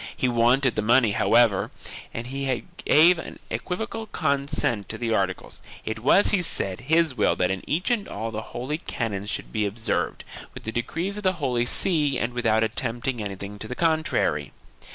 He wanted the money, however, and he gave an equivocal consent to the articles; it was, he said, his will that in each and all the holy canons should be observed, with the decrees of the Holy See and without attempting anything to the contrary.